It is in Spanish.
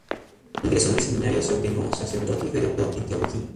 Ingresó en el seminario, se ordenó sacerdote y fue doctor en Teología.